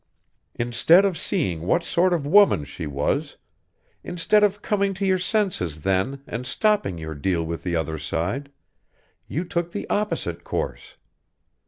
Instead of seeing what sort of woman she was instead of coming to your senses then and stopping your deal with the other side you took the opposite course.